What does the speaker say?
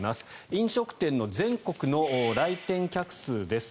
飲食店の全国の来店客数です。